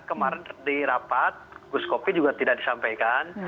kemarin di rapat gus kopi juga tidak disampaikan